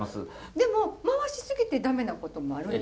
でも回し過ぎて駄目なこともあるんですか？